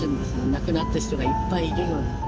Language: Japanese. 亡くなった人がいっぱいいるのに。